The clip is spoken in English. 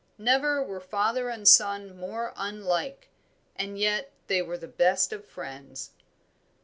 Never were father and son more unlike; and yet they were the best of friends.